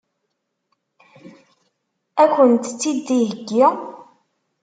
Ad kent-tt-id-iheggi?